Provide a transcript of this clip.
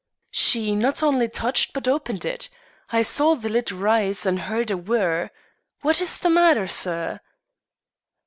"She not only touched but opened it. I saw the lid rise and heard a whirr. What is the matter, sir?"